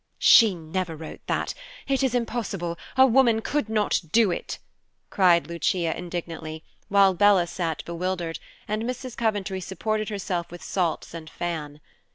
"She never wrote that! It is impossible. A woman could not do it," cried Lucia indignantly, while Bella sat bewildered and Mrs. Coventry supported herself with salts and fan.